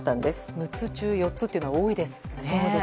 ６つ中４つというのは多いですね。